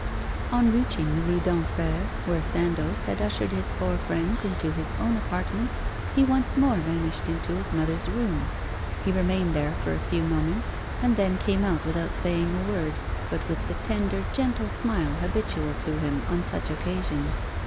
On reaching the Rue d'Enfer, when Sandoz had ushered his four friends into his own apartments, he once more vanished into his mother's room. He remained there for a few moments, and then came out without saying a word, but with the tender, gentle smile habitual to him on such occasions.